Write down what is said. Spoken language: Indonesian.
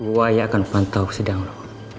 gue yang akan pantau sidang lo